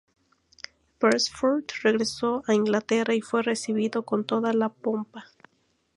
Beresford regresó a Inglaterra y fue recibido con toda la pompa.